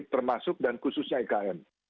termasuk dan khususnya ikm